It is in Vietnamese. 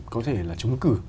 có thể là trúng cử